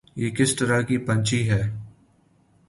یہ کس طرح کی پنچھی ہے